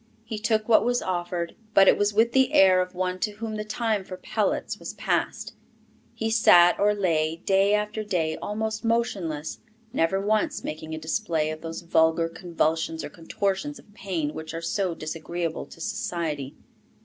He took what was offered, but it was with the air of one to whom the time for pellets was passed. He sat or lay day after day almost motionless, never once making a display of those vulgar convulsions or contortions of pain which are so disagreeable to society.